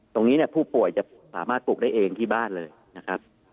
ตรงนี้เนี่ยผู้ป่วยจะสามารถปลูกได้เองที่บ้านเลยนะครับ